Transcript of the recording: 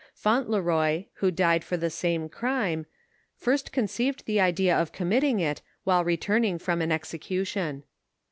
Fauntferoy, who died for the same crime, first conceived the idea of committing it, while returning from an execution.